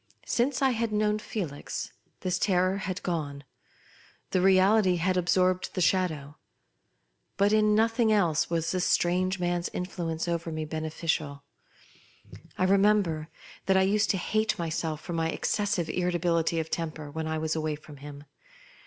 Since I had 'known Felix this terror had gone. The reality had ab sorbed the shadow. But in nothing else was this strange man's influence over me bene ficial. I remember that I used to hate my self for my excessive irritability of temper when I was away from him.